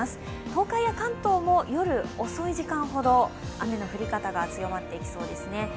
東海や関東も夜遅い時間ほど雨の降り方が強まっていきそうですね。